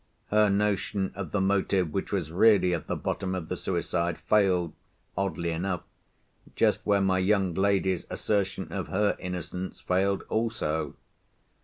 Her notion of the motive which was really at the bottom of the suicide failed, oddly enough, just where my young lady's assertion of her innocence failed also.